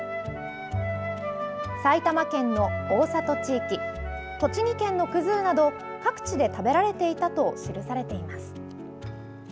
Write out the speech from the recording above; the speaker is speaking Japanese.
埼玉県の大里地域栃木県の葛生など各地で食べられていたと記されています。